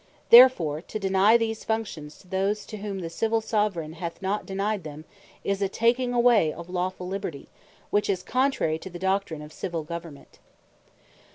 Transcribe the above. Therefore to deny these Functions to those, to whom the Civill Soveraigne hath not denyed them, is a taking away of a lawfull Liberty, which is contrary to the Doctrine of Civill Government.